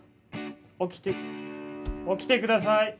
起きて起きてください！